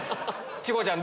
チコちゃん